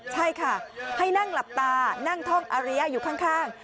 ใช่ค่ะให้นั่งหลับตานั่งท่องอาริยะอยู่ข้าง